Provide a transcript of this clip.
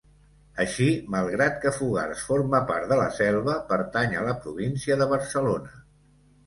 Així, malgrat que Fogars forma part de la Selva, pertany a la província de Barcelona.